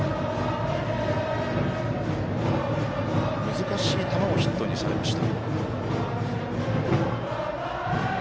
難しい球をヒットにされました。